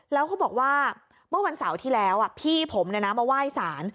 แล้วเขาบอกว่าเมื่อวันเสาร์ที่แล้วพี่ผมมาไหว้สาร